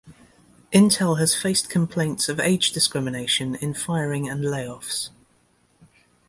Intel has faced complaints of age discrimination in firing and layoffs.